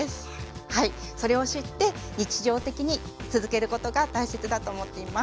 それを知って日常的に続けることが大切だと思っています。